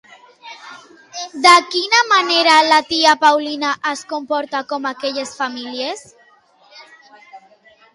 De quina manera la tia Paulina es comportava com aquelles famílies?